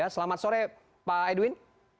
selamat sore pak edwin